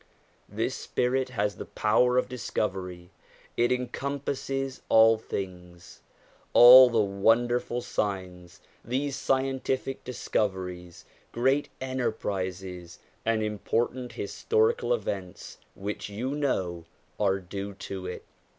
This spirit has the power of discovery ; it encompasses all things. All these wonderful signs, these scientific discoveries, great enterprises and important historical events which you know, are due to it.